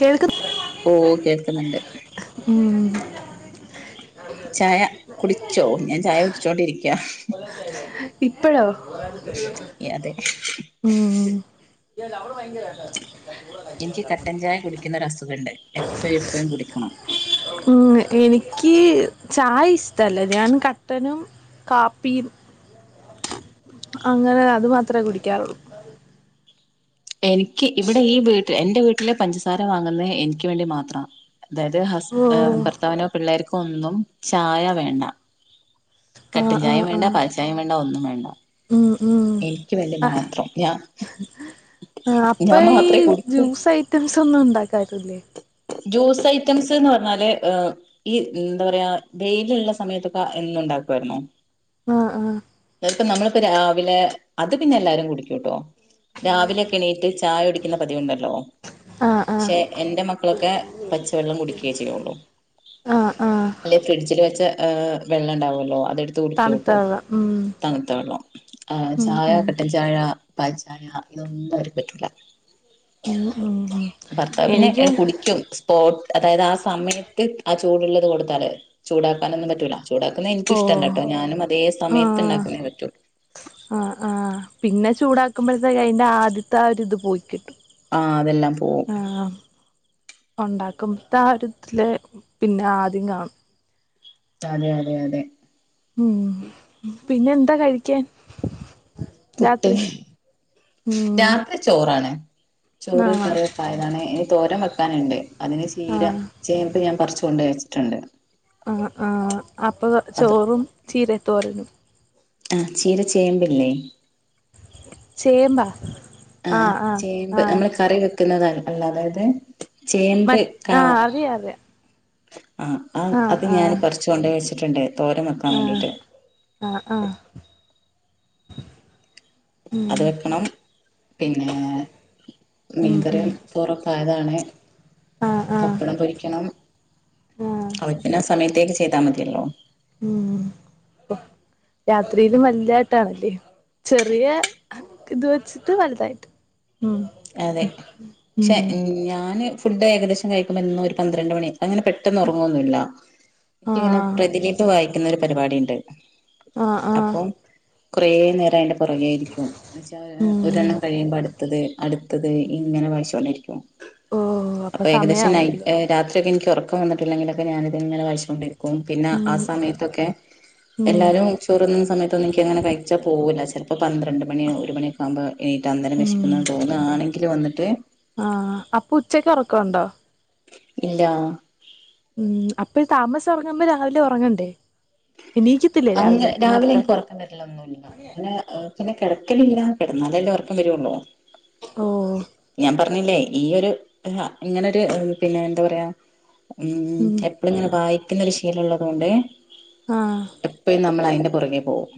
കേൾക്ക്ന്ന്‌ ഓ കേൾക്കുന്നുണ്ട് മ് ചായ കുടിച്ചോ ഞാൻ ചായ കുടിച്ചോണ്ടിരിക്യാ ഇപ്പഴോ മ് എനിക്ക് കട്ടൻ ചായ കുടി ന്നൊരസുഖണ്ട് എപ്പഴെപ്പഴും കുടിക്കണം ഉം എനിക്ക് ചായ ഇഷ്ടല്ല ഞാൻ കട്ടനും കാപ്പിയും അങ്ങനെ അത് മാത്രേ കുടിക്കാറുള്ളു എനിക്ക് ഇവിടെ ഈ വീട്ടിൽ എന്റെ വീട്ടി പഞ്ചസാര വാങ്ങുന്നത് എനിക്ക് വേണ്ടി മാത്ര അതായത് ഹസ് ഓ ഭർത്താവിനോ പിള്ളേർക്കോ- പ്പൊന്നും ചായ വേണ്ട ആഹ് കട്ടൻ ചായ ആഹ് വേണ്ട ആഹ് പാൽ ചായ വേണ്ട ഒന്നും വേണ്ട ഉം ഉം എനിക്ക് വേണ്ടി മാത്രം ഞാ ആ അപ്പം ഈ ജ്യൂസ്‌ ഐറ്റംസ് ഒന്നും ഉണ്ടാക്കാറില്ലേ ജ്യൂസ്‌ ഐറ്റംസ് എന്ന് പറഞ്ഞാൽഎന്താ പറയാ വെയിൽ ഉള്ള സമയത്ത് പ എന്നും ഉണ്ടാകുമായിരുന്നു ആ ആ ഇപ്പം നമ്മൾ ഇപ്പൊ രാവിലെ അത് പിന്നെ എല്ലാരും കുടിക്കും ട്ടോ രാവിലെക്കെ എണീറ്റ് ചായ കുടിക്കുന്ന പതിവുണ്ടല്ലോ ആഹ് ആഹ് ആഹ് പക്ഷേ എന്റെ മക്കളൊക്കെ പച്ചവെള്ളം കുടിക്കെ ചെയ്യുള്ളു ആഹ് ആഹ് അല്ലെ ഫ്രിഡ്ജിൽ വെച്ച വെള്ളം ഉണ്ടാവല്ലോ അത് എടുത്തു തണുത്ത കുടിക്കും വെള്ളം ഉം തണുത്ത വെള്ളം ഉം ചായ കട്ടൻ ചായ പാൽ ചായ ഇതൊന്നും ഓര്ക്കു പറ്റൂല മ്മ് മ്മ് ഭർത്താവ് പിന്നെ കുടിക്കും സ് ഹോട് അതായത് ആ സമയത്തു ചൂടുള്ളത് കൊടുത്താൽ ചൂടാക്കാനൊന്നും പറ്റൂല ചൂടാക്കുന്ന എനിക്കും ഓ ഇഷ്ടമല്ലട്ടോ ഞാനും അതെ സമയത്ത് ആഹ് ഉണ്ടാക്ക്ണെ പറ്റുള്ളൂ ചൂടാക്കുമ്പഴത്തെക്ക് അതിന്റെ ആദ്യത്തെ അത് ഇത് പോയി കിട്ടും ആ അതെല്ലാം പോകും ഉണ്ടാക്കുമ്പോതെ ആ ഒരു ഇതിലെ പിന്നെ ആദ്യം കാ അതെ അതെ അതെ മ് പിന്നെ എന്താ കഴിക്കാൻ പുട്ട് രാത്രി ഉം രാത്രി ചോറാണ് ചോറ് ആഹ് കറി ഒക്കെ ആയതാണ് ഇനി തോരൻ വെക് വെക്കാനുണ്ട് അതിന് ചീര ആഹ് ചേമ്പ് ഞാൻ പറിച്ചുകൊണ്ട് വെച്ച് [unintelligible] ച്ചുണ്ട് ആ ആ അപ്പം അത് ചോറും ചീര തോരനും ആ ചീര ചേമ്പില്ലേ ചേമ്പ ആ ചേമ്പ് നമ്മള് കറി വെ ക്കണത് അല്ലാ [unintelligible] മറ്റ് ആ അറിയാം അറിയാം ഹ ആഹ് അത് ഞാൻ ആഹ് പറിച്ചോണ്ട് വെച്ച് [unintelligible] തോരൻ വെക്കാൻ വേണ്ടീട്ട് ആഹ് ആഹ് ആഹ് [inaudible] ഉം അത് വെക്കണം പിന്നെ മീൻ ഉം കറി ഉം [unintelligible] ആഹ് ആഹ് പപ്പടം പൊരിയ്ക്കണം ആഹ് [unintelligible] സമയ [unintelligible] ചെയ്ത മതിയല്ലോ മ് രാത്രില് വലുതായിട്ട് ആണ് അല്ലെ ചെറിയ ഇത് വെച്ചിട്ട് വലുതായിട്ട് ഉം അതേയ് ഉം പക്ഷെ ഞാന് ഫുഡ്‌ ഏകദേശം കഴിക്കുമ്പോ എന്നും ഒരു പന്ത്രണ്ട് മണി ഒക്കെ ഞാൻ അങ്ങനെ പെട്ടന്ന് ഉറങ്ങു ഒന്നുയില്ല എനിക്കിങ്ങനെ ആഹ് [unintelligible] വായിക്കുന്ന ഒരു പരിപാടി [unintelligible] ആ ആ കൊറേ നേരം അതിന്റെ പിറകെ ആയിരിക്കും എന്ന് വെച്ച ഉം ഒരെണം കഴിയുമ്പോ അടുത്തത് അടുത്തത് ഇങ്ങനെ വായിച്ചോണ്ട് ഇരിക്കും ഓ അപ്പൊ അപ്പ ഏകദേശം നൈറ്റ്‌ സമയാവൂല്ലേ ആ രാത്രി ഒക്കെ എനിക്ക് ഉറ ഇക്ക വന്നിട്ടില്ലെങ്കിലൊക്കെ ഞാൻ ഇത് ഇങ്ങനെ വായിച്ചോണ്ട് ഇരി അപ്പം പിന്നെ ഉം ആ സമയത്ത് ഒക്കെ ഉം എല്ലാവരും ചോറുണ്ണുന്ന സമയതൊന്നും എനിക്ക് അങ്ങനെ കയിച്ച പോവൂല്ല ചെല പന്ത്രണ്ട് മണി ആവും ഒരു മണി ആവുമ്പോ എന്നിട്ട് അന്നേരം വിശക്കുന്ന് എന്ന് അ അപ്പൊ ഉച്ചക്ക് ഉറ [unintelligible] ണ്ടോ ഇല്ല മ് അപ്പൊ താമസിച്ച് ഉറങ്ങുമ്പോ രാവിലേ ഉറങ്ങണ്ടേ എണീക്കത്തില്ലേ അങ്ങ് രാവിലെ നേരത്തെ എനിക്ക് ഉറക്കം വരില്ല അങ്ങനെ അങ്ങനെ കിടക്കാല്ലില്ല കിടന്നാൽ അല്ലെ ഉറക്കം വരോള് ഓ ഓ ന്നില്ലേ ഈ ഒരു അ ഇങ്ങനൊരു പിന്നെ ന്താ പറയാ മ് ഉം എപ്പഴിങ്ങനെ വായി ശീലം ഒള്ളത് കൊണ്ട് ആഹ് എപ്പഴും നമ്മൾ അതിന്റെ പിറകെ പോവും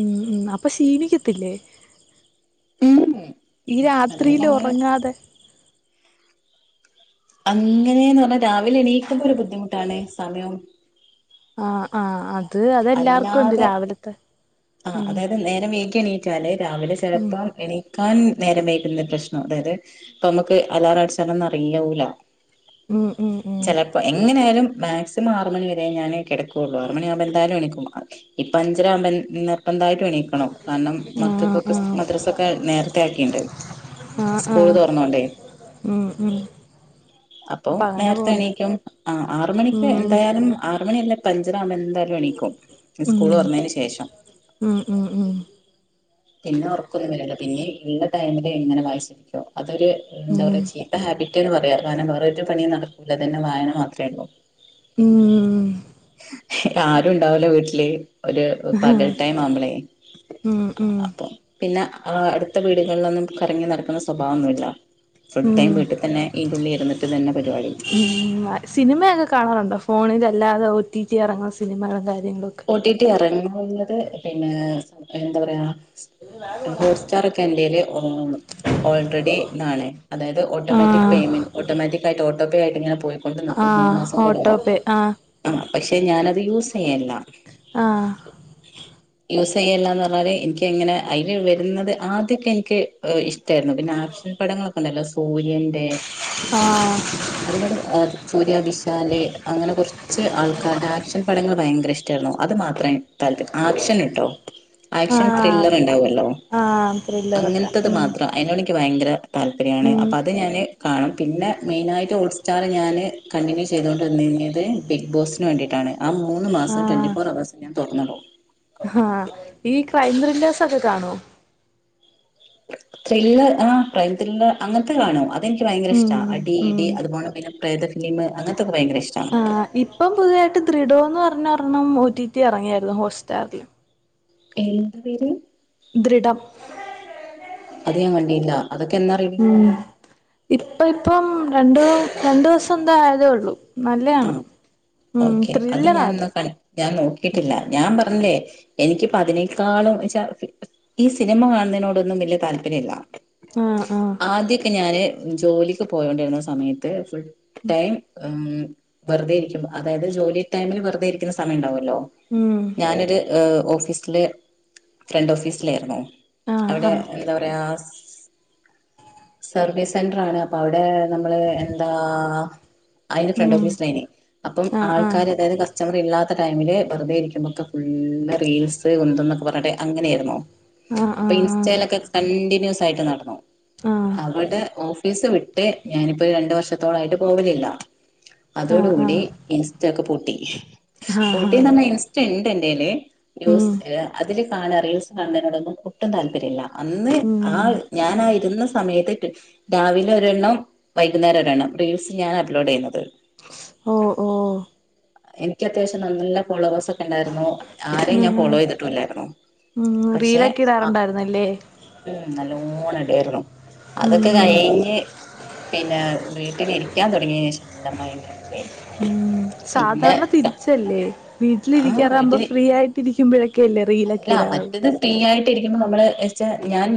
ഉം ഉം അപ്പ ഷിണിക്കത്തില്ലേ ഏഹ് ഈ രാത്രിയിലുറങ്ങാതെ അങ്ങനെന്നർഞ്ഞ രാവിലെ എണീക്കുമ്പൊ ഒരു ബുദ്ധിമുട്ടാണ് സമയം ആഹ് ആഹ് അ അല്ലാതെ ഉം നേരം വൈകി എണീറ്റാല് രാവിലെ ഉം ചെൽപ്പം ക്കാൻ നേരം വൈകുന്ന പ്രശ്നം ഉണ്ട് അതയത് പ നമ്മക്ക് അലാറം അടച്ച ഒന്നും അറിയൂല ഉം ഉം ഉം ചെലപ്പൊ എങ്ങനെയാലും മാക്സിമം ആറ് മണി വരെ ഞാന് കെടക്കും ക്കുള്ളു ആറ് മണി അവ്മ്പേന് ണിക്കും ഇപ്പ അഞ്ചര ആവുമ്പന്നെ ന്തായിട്ടും എണീക്കണം കാരണം ആഹ് മക്കൾക്കൊക്കെ ആഹ് മദ്രസൊക്കെ നേരത്തെ ആക്കിണ്ട് ആഹ് സ്കൂൾ ആഹ് തറന്നോണ്ടേ ഉം ഉം അപ്പ അപ്പൊ അങ്ങനെ നേരത്തെ പോണ്ട് എണീക്കും ഉം ആറുമണിക്ക് എന്തായാലും ആറുമണിയല്ല ക്കഞ്ചരാവ്മ്പ എന്ത ക്കും സ്കൂള് ഉം തൊറന്നെനു ശേഷം ഉം ഉം ഉം ഉം പിന്നെ ഉറക്കൊന്നു വെര്ണ്ല്ല പിന്നെ ഇള്ള ടൈമില് ഇങ്ങനെ വായ്ച്ചിരിക്കും അ റ്റൊര് എന്താ ഉം പറയാ ചീത്ത ഹാബിറ്റ്ന്ന് പറയാ വാനം വേറൊരു പണി നടക്കൂല ഇതന്നെ വായന മാത്രേള്ളൂ ഉം ആ ഓലെ വീട്ടില് ഓല് ഓ പകൽ ടൈമാവുമ്പളെ ഉം ആ ഉം അപ്പം പിന്നെ അ അടുത്ത വീടുകള്ലൊന്നും കറങ്ങി നടക്ക്ണ സ്വഭാവൊന്നുല്ല ഫുൾടൈം ഉം വീട്ട്തന്നെ ഈന്റുള്ളി ഇരുന്ന്ട്ട് തന്നെ പര്പാടി സിനിമയൊക്കെ കാണാറുണ്ടോ ഫോണിലല്ലാതെ ഓറ്റിറ്റി എറങ്ങ സിനിമാ ഓട്ടിട്ടി എറങ്ങും മുന്നത്തെ പിന്നേ അയ്ന് ന്താപറയാ ഹോട്ട്സ്റ്റാറൊക്കെ എന്റേല് ഓ ഓൾറെഡിതാണ് അതായത് ഓട്ടോമാറ്റിക് ആഹ് പേയ്മെന്റ് ഓട്ടോമാറ്റിക്കായ്ട്ട് ഓ ട്ടൊക്കായിട്ടിങ്ങനെ പോ ആഹ് ഓട്ടോപേ ആ ആ പക്ഷെ ഞാന ത് യൂസയ്യല്ല ആഹ് യൂസ് ചെയ്യല്ലാന്ന് പറഞ്ഞാല് എനിക്ക് അങ്ങനെ അയ്ന് വരുന്നത് ആദ്യൊക്കെ എനിക്ക് ഇഷ് ട്ടായിരുന്നു. പിന്നെ ആക്ഷൻ പടങ്ങളൊ ഉണ്ടല്ലോ സൂര്യന്റെ ആഹ് [unintelligible] ലാല് അങ്ങനെ കുറച്ച് ആൾക്കാര്ടെ ആക്ഷൻ പടങ്ങള് ഭയങ്കര ഇഷ് രുന്നു അതു മാത്രെ [unintelligible] ആക്ഷന്ട്ടോ ആക്ഷൻ ആഹ് ത്രില്ലറ് ഇണ്ടാവുലോ ആഹ് ത്രില്ലറൊക്കെ അങ്ങനത്തത് ഉം മാത്രം അയിനോടെനിക്ക് ഭയങ്കര താല്പര്യാണ് ഉം അപ്പൊ അത് ഞാന് കാണും പിന്നെ മെയിനായിട്ട് ഓൾ [unintelligible] ഞാന് കണ്ടിന്യൂ ചെയ്‌തോണ്ടിരുന്നത് ബിഗ് ബോസിന് വേണ്ടിട്ടാണ് ആ മൂന്ന് മാ ആഹ് ആ ഈ [unintelligible] ത്രില്ലെഴ്‌സൊക്കെ കാണോ ത്രില്ലെർ ആ ക്രൈം ത്രില്ലർ അങ്ങനത്തെ കാണും അത് എനിക്ക് ഭയങ്കര ഉം ഇഷ്ട്ട അടി ഇ ടി ഉം അത് പോലെ പിന്നെ പ്രേത ഫിലിമ് അങ്ങനതൊക്കെ ഭയങ്കര ഇഷ്ട്ടാണ് ആ ഇപ്പം പുതിതായിട്ട് തൃഡോ ന്ന് ഒരെണ്ണം പുതിത് ഇറങ്ങ്യരുന്നു ഹോട്ട് സ്റ്റാറില് [unintelligible] പേര് ദൃടം അത് ഞാൻ കണ്ടീല ഉം ഇപ്പൊ ഇപ്പം രണ്ടു രണ്ടുസെന്ത്യ ആയതേ ഉള്ളു ഉം ഓക്കേ അത് ഞാനെന്ന കണ്ട് ഞാൻ നോക്കിട്ടില്ല ഞാൻ പറഞ്ഞെ എനിക്കിപ്പോ അതിനേക്കാളും ന്നച്ചാ ഈ സിനിമ കാണുന്നതിനോടൊന്നും വലിയ താല്പര്യല്ല ആഹ് ആഹ് ആദ്യൊക്കെ ഞാന് ജോലിക്ക് പോയൊണ്ടിരുന്ന സമയത്ത് ഫുൾ ടൈം ഉം വെറുതെ ഇരിക്കുമ്പോ അതായത് ജോലി ടൈംല് വെറുതെ ഇരിക്കുന്ന സമയണ്ടാവുലോ ലോ ഉം ഞാനൊര് ഏഹ് ഓഫീസില് ഫ്രണ്ട് ഓഫീസില് ആയിരുന്നു ആഹ് അവടെ ആഹ് എന്താ പറയാ സർവീസ് സെന്ററ് ആണ് അപ്പൊ അവിടെ നമ്മള് എന്താ അയിന്റെ ഫ്രണ്ട് ഉം ഓഫീസ് ന്നേനെ അപ്പം ആഹ് ആഹ് ആൾക്കാര് അതായത് കസ് സ്റ്റമറില്ലാത്ത ടൈമില് വെറുതെ ഇരിക്കുമ്പോക്കെ ഫുള്ള് റീൽസ് കുന്തോം ന്നൊക്കെ പറഞ്ഞിട്ട് അങ്ങനായിരുന്നു ആഹ് ആഹ് അപ്പൊ ഇൻസ്റ്റലൊക്കെ കണ്ടിന്യൂസ് ആയി നടന്നു ആഹ് എന്നിട്ട് ഓഫീസ് വിട്ട് ഞാനിപ്പോ രണ്ട് വർഷത്തോളയിട്ട് പോകുന്നില്ല ആഹ് അതോടു ആഹ് കൂടി ഇൻസ് റ്റ ഒക്കെ പൂട്ടി ആഹ് ആഹ് പൂട്ടിന്ന് പറഞ്ഞ ഇൻസ്റ്റ ഇണ്ട് എന്റെല് ഉം ന്യൂസ്‌ അതില് കാണാ റീൽസ് കാണനോടൊന്നും ഒട്ടും താല്പര്യല്ല അന്ന് ആ ഉം ഞാനാ ഇരുന്ന സമയത്ത് രാവിലെ ഒരെണ്ണം വൈകുന്നേരം ഒരെണ്ണം റീൽസ് ഞാൻ അപ്‌ലോഡ് ചെയുന്നത് ഓ ഓ എനിക്കത്യാവശ്യം നല്ല ഫോള്ളോവെർസ് ഒക്കെ ഇണ്ടാരുന്നു ആരെയും ഞാൻ ഉം ഫോളോ ചെയ്തിട്ടും ഇല്ലാരുന്നു ഉം പക്ഷെ റീലൊക്കെ ആ ഇടാറുണ്ടായിരുന്നല്ലേ ഉം നല്ലോണം ഇണ്ടാരുന്നു അതൊക്കെ ഉം കയിഞ്ഞ് പിന്നെ വീട്ടിലിരിക്കാൻ തുടങ്ങിയ ശേഷല്ലാ ഭയങ്കര മടിയായി ഉം പിന്നെ സാധാരണ തിരിച്ചല്ലേ ആഹ് വീട്ടിലിരിക്കാറാവുമ്പോ വീട്ടില് ഫ്രീ ആയിട്ട് ഇരിക്കും. [unintelligible] ക്കല്ലേ റീലൊക്കെ ഇടാറു ട്ടിലിരിക്കുമ്പ നമ്മള്ച്ച ഞാൻ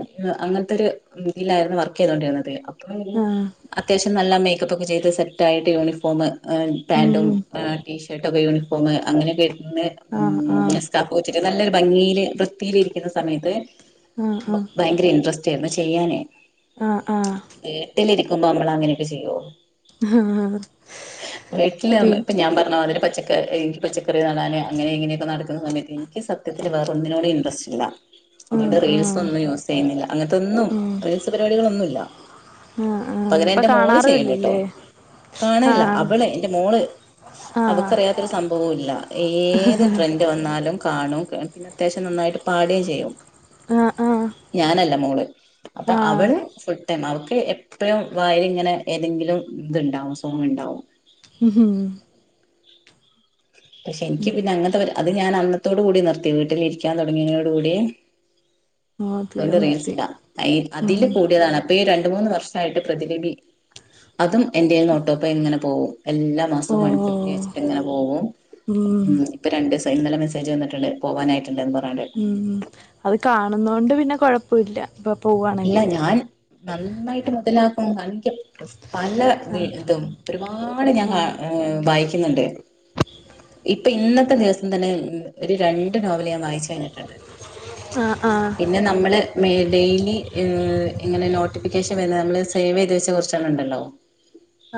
അങ്ങനത്തെ ഒരു ഇതിയിലായിരുന്നു വർക്ക് ചെയ്തോണ്ടിരുന്നത് ആഹ് അത്യാവശ്യം നല്ല മേ ക്കപ്പൊക്കെ ചെയ്ത് സെറ്റായിട്ട് യൂണിഫോമ് പാൻറും ഉം ഏ ടീ ഷ [unintelligible] യൂണിഫോമ് അങ്ങനൊക്കെ ആഹ് ആഹ് [unintelligible] നല്ലൊരു ഭംഗിയില് വൃത്തിയില് ഇരിക്കുന്ന സമയത്ത് ഭയങ്കര ഇൻട്രസ്റ്റ് ചേർന്ന് ചെയ്യാനേ ആ ആ നമ്മളങ്ങനൊക്കെ ചെയ്യുവോ ആഹ് വീട്ടില് ഞാൻ പി ഇപ്പൊ ഞാൻ പറഞ്ഞ പോലൊരു പച്ചക്ക ഒക്ക എനി പച്ചക്കറി നടാൻങ്ങനെങ്ങനൊക്കെ നടക്കുന്ന സമയത്ത്ഞ്ഞ ക്ക് സത്യത്തി വേറ ഒന്നിനോടെ ഇൻട്രറസ്റ്റ് ഇല്ല അതോണ്ട് ആഹ് റീൽസ് ആഹ് ഒന്നും യൂസ് ചെയ്യുന്നില്ല അങ്ങനത്തൊന്നും ഉം റീൽസ് പരിപാടികളൊന്നുല്ല ആഹ് ആഹ് പകരെ ഇപ്പൊ എന്റെ മോള് കാണാറും ചെയ്യണ്ട കേട്ടോ ഇല്ലല്ലേ കാണാനില്ല ആഹ് അവള് എന്റെ മോള് ആഹ് അവക്കറിയാത്തൊരു സംഭവോല്ല ഏത് ട്രെൻഡ് വന്നാലും ആണോ ക്ക അത്യാവശ്യം നന്നായിട്ട് പാടേയും ചെയ്യും ആഹ് ആഹ് ഞാനല്ല മോള് അപ്പൊ ആഹ് അവള് സെ തന്നെ അവൾക്ക് എപ്പഴും വായേല്ങ്ങനെ ഏതെങ്കിലും ഇത്ണ്ടാവും സോങ്ണ്ടാവും ഉം പക്ഷെ എനിക്ക് പിന്നെ അങ്ങനത്തെ അത് ഞാൻ അന്നത്തോടു കൂടി നിർത്തി വീട്ടിലിരിക്കാൻ തുടങ്ങിയോടു കൂടി ആഹ് തീരെ രണ്ട് നിർത്തി റീൽസ്ടാ അയ്യ് ഉം അതില് കൂടിയതാണ് അപ്പെ ര രണ്ട് മൂന്ന് വർഷായിട്ട് പ്രതിലിബി അതും എന്റേന്ന് ഒട്ടൊപ്ലേ ആയിങ്ങനെ പോവും എല്ലാ മാസവും വൺഫിഫ്റ്റി ഓഹ് വെച്ചിട്ടങ്ങനെ പോവും ഉം പ്പൊ രണ്ടീസായി ഇന്നലെ മെസ്സേജ് വന്നിട്ടുണ്ട് പോവാനായിട്ടുണ്ട്ന്ന് പറ്ഞ്ഞാണ്ട് ഉം അത് കാണുന്നോണ്ട് പിന്നെ കൊഴപ്പയില്ല ഇല്ല ഞാൻ നന്നായിട്ട് മൊതലാ ക്കും അഞ്ചട്ടോ നല്ല ആഹ് വെയിറ്റ്ട്ടും ഒരുപാട് ഞാൻ വാ ആഹ് ഏ വായിക്കുന്നുണ്ട് ഇപ്പം ഇന്നത്തെ ദിവസം തന്നെ ഒര് ര ണ്ട് നോവല് ഞാൻ വായിച്ചു കഴിഞ്ഞിട്ടുണ്ട്. ആഹ് ആഹ് പിന്നെ നമ്മള് മേ ഡെയിലി ല് ഇങ്ങനെ നോട്ടിഫിക്കേഷൻ വര്ന്നെ നമ്മൾ സേവയ്ത് വെച്ച കുറച്ചെണ്ണം ഉണ്ടല്ലോ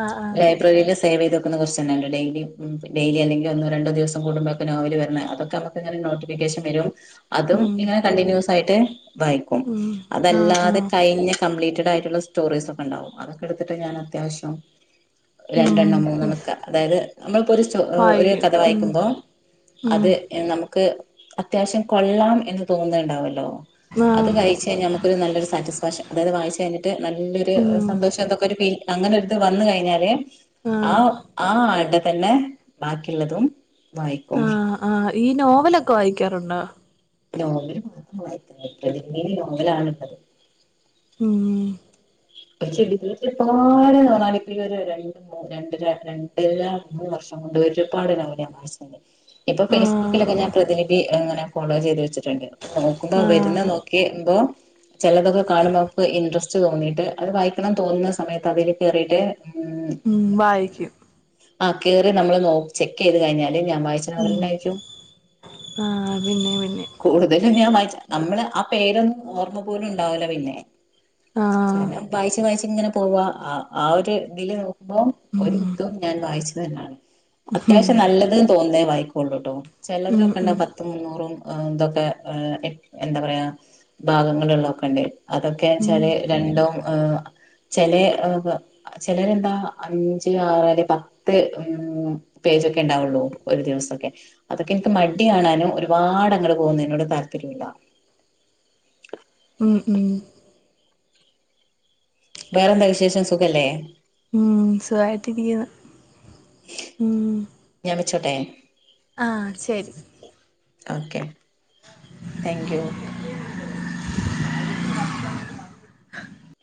ആഹ് ആഹ് ലൈബ്രറീല് സേവയ്ത് വെക്കുന്ന കൊറ്ച്ചണ്ണണ്ട് ഡെയിലി ഉം ഡെയിലി അല്ലെങ്കിൽ ഒന്നോ രണ്ടോ ദിവസം കൂടുമ്പോക്കെ നോവൽ വരുന്നെ അതൊക്കെ നമ്മക്ക്ങ്ങനെ നോട്ടിഫിക്കേഷൻ വരും അതും ഉം ഇങ്ങനെ കണ്ടിന്യൂസ് സായിട്ട് വായിക്കും ഉം ആഹ് അല്ലാതെ ആഹ് കയിഞ്ഞ കമ്പ്ലീറ്റടായിട്ടുള്ള സ്റ്റോറീസ്യൊക്കണ്ടാവും അതൊക്കെ എടുത്തിട്ട് ഞാൻ അത്യാവശ്യം ഉം രണ്ടെണ്ണം ഉം മൂന്നെണ്ണൊക്കെ അതായത് അമ്മൾ പ്പോ ഒര് സ്റ്റേ ഓ ഒരു വായിക്കും കഥ ഉം വായിക്കുമ്പോൾ ഉം അത് ഏ നമുക്ക് അത്യാവശ്യം കൊള്ളാം എന്ന് തോന്നുന്നണ്ടാവല്ലോ അത് ആഹ് വായിച്ച് കഴിഞ്ഞാൽ നമ്മ ഒര് സാറ്റിസ്ഫാക്ഷൻ അതായത് വായിച്ച് കഴിഞ്ഞ് ട്ട് നല്ലൊര് ഉം സന്തോഷം തൊക്കൊരു ഫീല് അങ്ങനെട്ത്ത് വന്ന് കഴിഞ്ഞാല് ആ ആഹ് ആ ആട്- പിന്നെ ബാക്കിയുള്ളതും വായിക്കും ആഹ് ആഹ് ഈ നോവൽ ഒക്കെ വായിക്കാറുണ്ടോ നോവൽ ഒക്കെ വായിക്കും നിന്നെ നോവലാണുള്ളത്- മ് [unintelligible] രണ്ടുമൂന്നു വർഷം കൊണ്ട് ഒരുപാട് നോർവൽഞാൻ വായിച്ചിണ്ട്- ഇപ്പം ആഹ് ഫെയ്സ്ബുക്കിലൊക്കെ ഞാൻ പ്രതിനിധി ഇങ്ങനെ ഫോളോ ചെയ്തു വച്ചിട്ടുണ്ട് നോക്കുമ്പോൾ വരുന്ന ആഹ് നോക്കി എന്തോ ചെലതൊക്കെ കാണുമ്പം നമുക്ക് ഇൻട്രസ്റ്റ് തോന്നീട്ട് അത് വായിക്കണം ന്ന് തോന്ന്ന്ന സമയത്ത് അതില് കേറീട്ട് ഉം വായി ക്ക്യും ആ കേറി നമ്മൾ നോ ചെക്ക്യ്ത് കഴിഞ്ഞാല്- ഞാൻ വായിച്ച നോവലെന്നായിരിക്കും ആഹ് പിന്നെ പിന്നെ കൂടുതലും ഞാൻ വായിച്ച [inaudible] നമ്മള് പേരും ഓർമ്മ പോലു ഉണ്ടാവുല്ല പിന്നെ ആഹ് ദനം വായിച്ചു വായിച്ചു ഇങ്ങനെ പോവാ ആ ആ ഒരു ഇതില് ഇപ്പോ ഉം ഒരു ബുക്കും ഞാൻ വായിച്ചു [inaudible] ഉം അത്യാവശ്യം നല്ലത് തോന്ന വാങ്ങിക്കോള്ളുട്ടോ ഉം ഉം ചെല്ലവരൊക്കെണ്ടാവും പത്തും മുന്നൂറും അ ഇതൊക്കെ എന്താ പറയാ ഭാഗങ്ങ ള്ളൊക്കെണ്ടാ യിനി ഉം അതൊക്കെന്ന്വെച്ചാല് രണ്ടോ ഏഹ് ചെലെ ചെലരെന്താ അഞ്ച് ആറ്‌ പത്ത് പേജൊക്കെ ഇണ്ടാവുള്ളൂ ഒരു ദിവസൊക്കെ അതൊക്കെ ഇൻക്ക് മടി ആണാനും ഒരുപാട് അങ്ങെട് പോന്ന് എന്നോട് ത [unintelligible] [inaudible] ഉം ഉം വേറെന്താ വിശേഷം സുഖല്ലേ ഉം സുഖായിട്ടിരിക്കുന്നു ഉം ചൊട്ടെ [unintelligible] ആഹ് ശരി ഓക്കെ തേങ്ക് യൂ